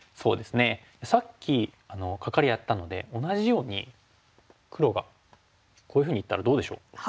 さっきカカリやったので同じように黒がこういうふうにいったらどうでしょう？